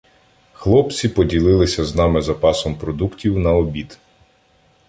Хлопці поділилися з нами запасом продуктів на обід.